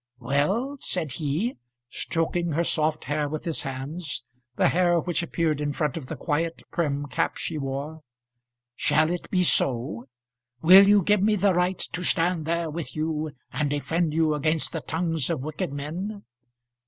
"Well," said he, stroking her soft hair with his hands the hair which appeared in front of the quiet prim cap she wore, "shall it be so? Will you give me the right to stand there with you and defend you against the tongues of wicked men?